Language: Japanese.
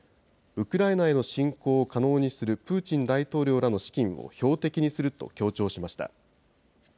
ウクライナへの侵攻を可能にするプーチン大統領らの資金を標的にすると強調しました。